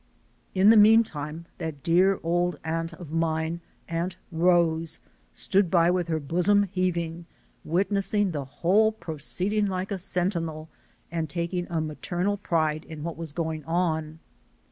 In the mean time, that dear old aunt of mine, Aunt Rose, stood by with her bosom heaving, witnessing the whole proceeding like a sentinel, and taking a maternal pride in what was going on.